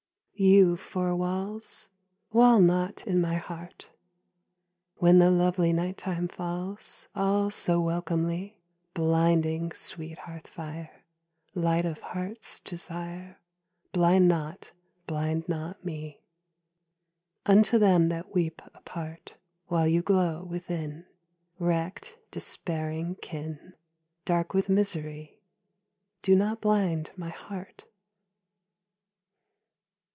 _You, Four Walls, Wall not in my heart! When the lovely night time falls All so welcomely, Blinding, sweet hearth fire, Light of heart's desire, Blind not, blind not me! Unto them that weep apart, While you glow, within, Wreckt, despairing kin, Dark with misery: Do not blind my heart!